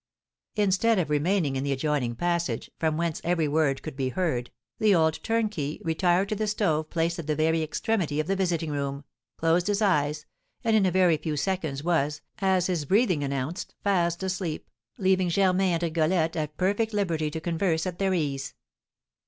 Instead of remaining in the adjoining passage, from whence every word could be heard, the old turnkey retired to the stove placed at the very extremity of the visiting room, closed his eyes, and in a very few seconds was (as his breathing announced) fast asleep, leaving Germain and Rigolette at perfect liberty to converse at their ease.